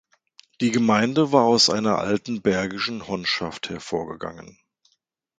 Die Gemeinde war aus einer alten bergischen Honnschaft hervorgegangen.